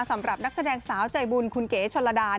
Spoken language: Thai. สำหรับนักแสดงสาวใจบุญคุณเก๋ชนระดา